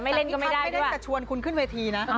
ไม่เล่นก็ไม่ได้หรือว่าตอนนี้ครับไม่ได้แต่ชวนคุณขึ้นเวทีนะ